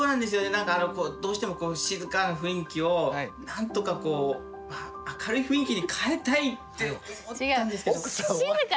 何かあのどうしても静かな雰囲気をなんとかこう明るい雰囲気に変えたいって思ったんですけど。